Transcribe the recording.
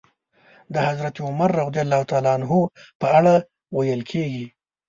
د حضرت عمر رض په اړه ويل کېږي.